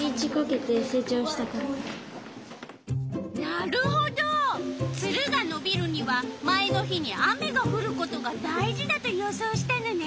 なるほどツルがのびるには前の日に雨がふることが大事だと予想したのね。